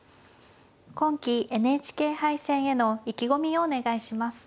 今期ＮＨＫ杯戦への意気込みをお願いします。